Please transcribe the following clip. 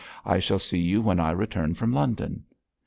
I shall see you when I return from London.'